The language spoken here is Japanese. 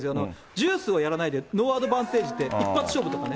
ジュースをやらないでノーアドバンテージって、一発勝負とかね。